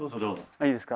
いいですか。